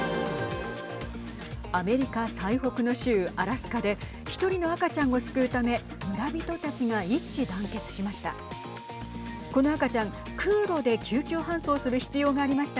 アメリカ最北の州アラスカで１人の赤ちゃんを救うため村人たちが一致団結しました。